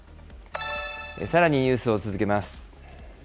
さらにニュースを続けます。